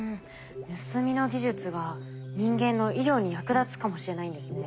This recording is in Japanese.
盗みの技術が人間の医療に役立つかもしれないんですね。